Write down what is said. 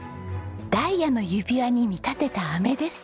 ダイヤの指輪に見立てたあめです。